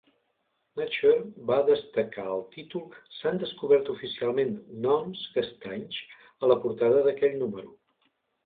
"Nature" va destacar el títol "S'han descobert oficialment gnoms castanys" a la portada d'aquell número.